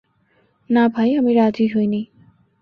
না ভাই আমি রাজি হয়নি।